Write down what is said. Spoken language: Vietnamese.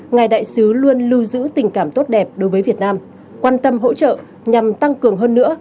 ngài đại sứ luôn lưu giữ tình cảm tốt đẹp đối với việt nam quan tâm hỗ trợ nhằm tăng cường hơn nữa